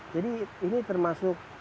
jadi ini termasuk